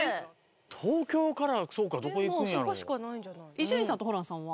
伊集院さんとホランさんは？